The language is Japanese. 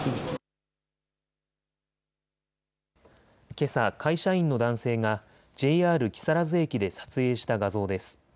けさ、会社員の男性がＪＲ木更津駅で撮影した画像です。